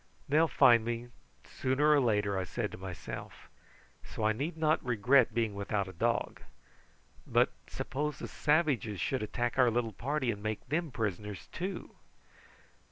"They'll find me out sooner or later," I said to myself; "so I need not regret being without a dog. But suppose the savages should attack our little party and make them prisoners too."